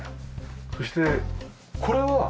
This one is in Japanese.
そしてこれは？